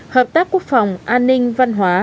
hợp tác quốc phòng an ninh văn hóa